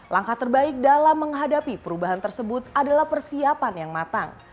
langkah terbaik dalam menghadapi perubahan tersebut adalah persiapan yang matang